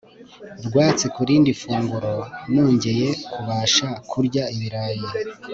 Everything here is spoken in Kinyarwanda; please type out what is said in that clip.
rwatsi ku rindi funguro Nongeye kubasha kurya ibirayi